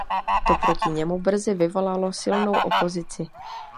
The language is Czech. To proti němu brzy vyvolalo silnou opozici.